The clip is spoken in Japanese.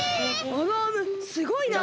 あのアームすごいな！